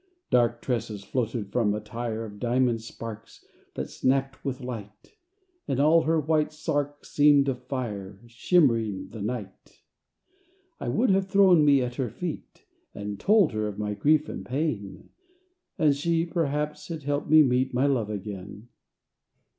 Dark tresses floated from a tire Of diamond sparks that snapped with light; And all her white sark seemed of fire Shimmering the night. I would have thrown me at her feet And told her of my grief and pain; And she, perhaps, had helped me meet My love again.